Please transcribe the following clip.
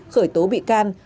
khởi tố bị can